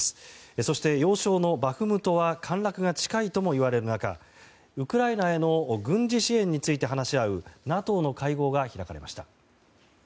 そして、要衝のバフムトは陥落が近いともいわれる中ウクライナへの軍事支援について話し合うＮＡＴＯの会合が開かれました。